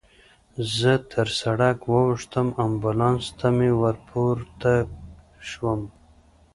زه تر سړک واوښتم، امبولانس ته ورپورته شوم.